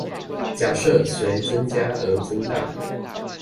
假設隨增加而增大